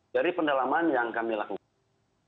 dari pendalaman yang kami lakukan